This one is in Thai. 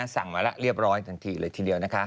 สั่งมาแล้วเรียบร้อยทันทีเลยทีเดียวนะคะ